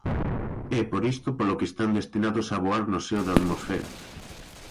É por isto polo que están destinados a voar no seo da atmosfera.